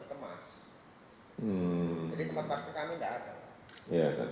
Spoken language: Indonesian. jadi tempat parkir kami enggak ada